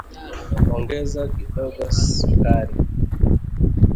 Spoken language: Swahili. Ongeza kidogo sukari